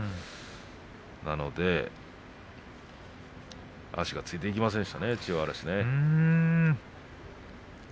なので足がついていきませんでしたね